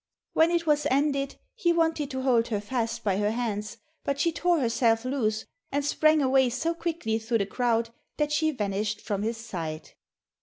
When it was ended, he wanted to hold her fast by her hands, but she tore herself loose, and sprang away so quickly through the crowd that she vanished from his sight.